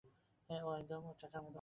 ও একদম ওর চাচার মতো হয়েছে।